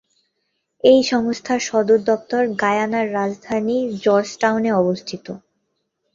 এই সংস্থার সদর দপ্তর গায়ানার রাজধানী জর্জটাউনে অবস্থিত।